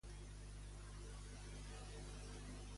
Escoltin aquest moment d'una entrevista de La Sexta a García-Page.